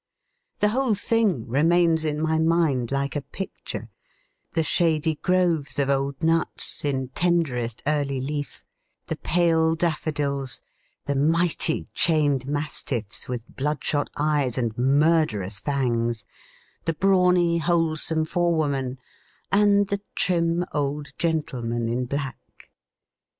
The whole thing remains in my mind like a picture the shady groves of old nuts, in tenderest early leaf, the pale Daffodils, the mighty chained mastiffs with bloodshot eyes and murderous fangs, the brawny, wholesome forewoman, and the trim old gentleman in black.